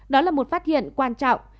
đó là một phát hiện quan trọng